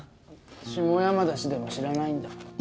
下山田氏でも知らないんだま